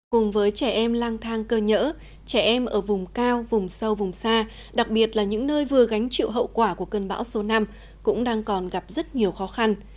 cùng với trẻ em lang thang cơ nhỡ trẻ em ở vùng cao vùng sâu vùng xa đặc biệt là những nơi vừa gánh chịu hậu quả của cơn bão số năm cũng đang còn gặp rất nhiều khó khăn